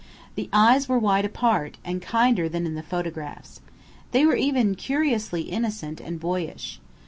The eyes were wide apart, and kinder than in the photographs. They were even curiously innocent, and boyish.